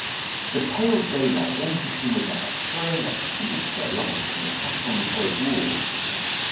The pale daylight entered from without, throwing a sinister light on the saffron coloured walls.